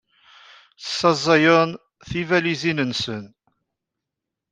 Ssaẓayen tibalizin-nsen.